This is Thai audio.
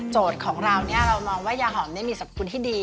ของเราเนี่ยเรามองว่ายาหอมมีสรรพคุณที่ดี